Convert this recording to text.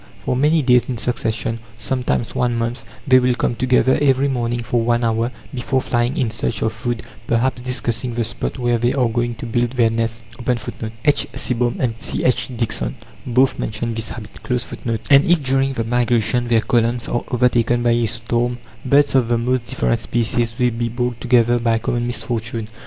For many days in succession sometimes one month they will come together every morning for one hour, before flying in search of food perhaps discussing the spot where they are going to build their nests.(8) And if, during the migration, their columns are overtaken by a storm, birds of the most different species will be brought together by common misfortune.